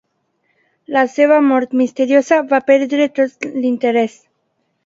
La seva mort misteriosa, va perdre tot l'interès.